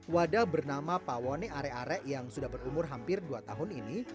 wadah bernama pawone are are yang sudah berumur hampir dua tahun ini